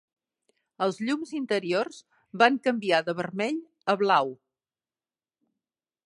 Els llums interiors van canviar de vermell a blau.